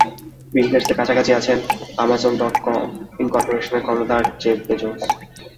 বিল গেটসের কাছাকাছি আছেন আমাজন ডট কম ইনকরপোরেশনের কর্ণধার জেফ বেজোস।